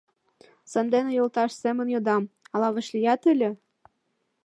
Сандене йолташ семын йодам: ала вашлият ыле?